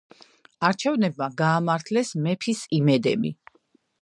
არჩევნებმა გაამართლეს მეფის იმედები.